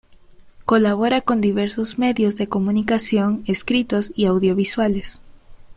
Colabora con diversos medios de comunicación, escritos y audiovisuales.